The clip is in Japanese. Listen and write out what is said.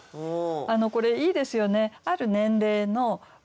これいいですよね。